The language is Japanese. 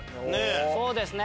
そうですね